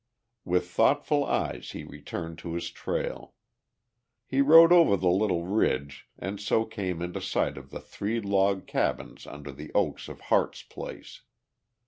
With thoughtful eyes he returned to his trail. He rode over the little ridge and so came into sight of the three log cabins under the oaks of Harte's place.